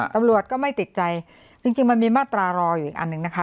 ตำรวจก็ไม่ติดใจจริงมันมีมาตรารออยู่อีกอันหนึ่งนะคะ